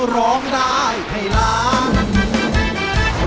ร้องได้ให้ล้าน